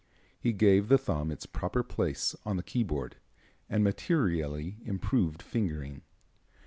He gave the thumb its proper place on the keyboard, and materially improved fingering.